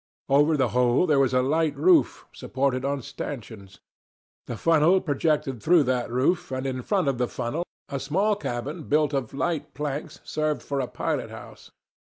Over the whole there was a light roof, supported on stanchions. The funnel projected through that roof, and in front of the funnel a small cabin built of light planks served for a pilot house.